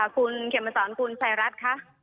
คุณเขียนมาสอนคุณไซรัสคะ